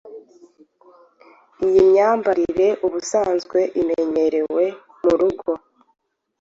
Iyi myambarire ubusanzwe imenyerewe mu rugo,